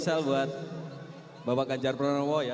sekarang kita mulai